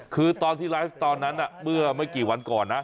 คือตอนที่ไลฟ์ตอนนั้นเมื่อไม่กี่วันก่อนนะ